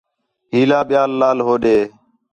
ہیلا بیال لال ہوݙے